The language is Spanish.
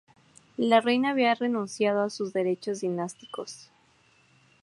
La reina había renunciado a sus derechos dinásticos.